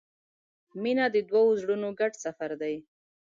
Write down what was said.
• مینه د دوو زړونو ګډ سفر دی.